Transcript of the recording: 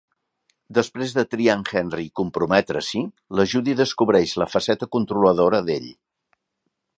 Després de triar en Henri i comprometre-s'hi, la Judy descobreix la faceta controladora d'ell.